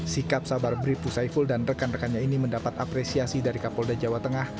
sikap sabar bribtu saiful dan rekan rekannya ini mendapat apresiasi dari kapolda jawa tengah